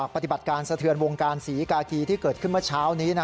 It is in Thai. ปฏิบัติการสะเทือนวงการศรีกากีที่เกิดขึ้นเมื่อเช้านี้